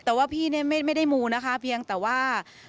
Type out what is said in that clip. แต่ว่าพี่เนี่ยไม่ได้มูนะคะเพียงแต่ว่า